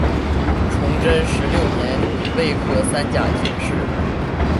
崇祯十六年癸未科三甲进士。